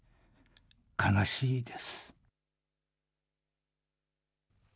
悲しいです。